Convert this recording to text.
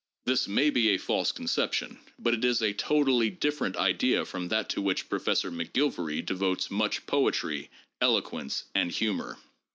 This may be a false conception, but it is a totally different idea from that to which Professor McGilvary devotes much poetry, eloquence, and humor.